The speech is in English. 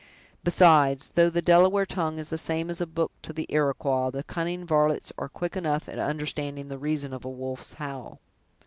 Besides, though the Delaware tongue is the same as a book to the Iroquois, the cunning varlets are quick enough at understanding the reason of a wolf's howl."